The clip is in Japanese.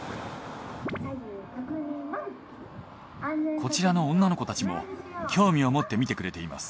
こちらの女の子たちも興味を持って見てくれています。